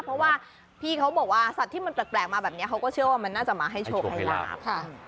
เพราะว่าพี่เขาบอกว่าสัตว์ที่มันแปลกมาแบบนี้เขาก็เชื่อว่ามันน่าจะมาให้โชคให้ลาบ